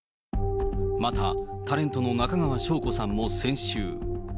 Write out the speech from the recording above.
またタレントの中川翔子さんも先週。